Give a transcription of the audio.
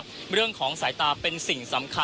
คุณทัศนาควดทองเลยค่ะ